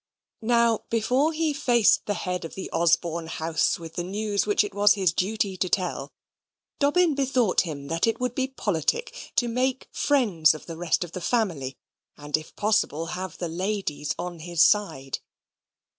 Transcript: Now, before he faced the head of the Osborne house with the news which it was his duty to tell, Dobbin bethought him that it would be politic to make friends of the rest of the family, and, if possible, have the ladies on his side.